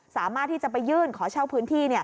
สามารถที่จะไปยื่นขอเช่าพื้นที่